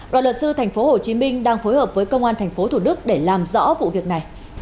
đoàn luật sư tp hcm đang phối hợp với công an tp hcm để làm rõ vụ việc này